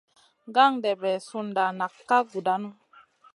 Gandebe sunda nak ka gudanu.